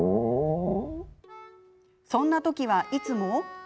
そんな時は、いつも。